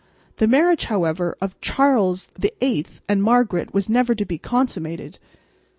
The marriage, however, of Charles VIII and Margaret was never to be consummated.